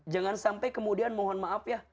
jangan sampai kemudian mohon maaf ya